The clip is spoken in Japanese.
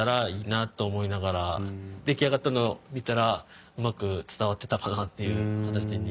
出来上がったのを見たらうまく伝わってたかなっていう形に。